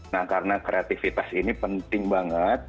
nah karena kreativitas ini penting banget